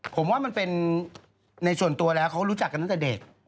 ผมว่ามันเป็นในส่วนตัวแล้วเขารู้จักกันตั้งแต่เด็ก